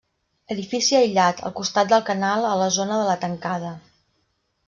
Edifici aïllat, al costat del canal a la zona de la Tancada.